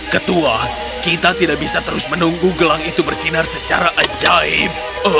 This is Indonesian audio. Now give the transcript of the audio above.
ketua kita tidak bisa terus menunggu gelang itu bersinar secara ajaib